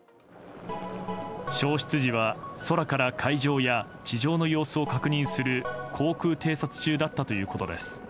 消失時は空から海上や地上の様子を確認する航空偵察中だったということです。